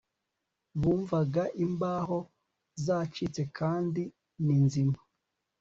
Bumvaga imbaho zacitse kandi ni nzima